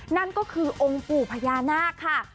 นั่นก็คือองค์ปู่พญานาคค่ะ